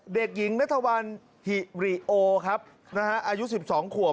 เด็กหญิงนัทวันหิริโอครับอายุ๑๒ขวบ